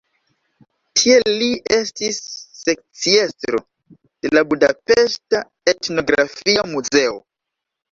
Tie li estis sekciestro de la budapeŝta Etnografia Muzeo.